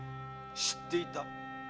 知っていた？